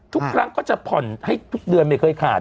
ทุกครั้งก็จะผ่อนให้ทุกเดือนไม่เคยขาด